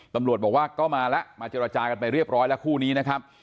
ตำรวจบอกว่าก็มาแล้วมาเจรจากันไปเรียบร้อยแล้วคู่นี้นะครับ